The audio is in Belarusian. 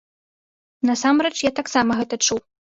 Насамрэч я таксама гэта чуў.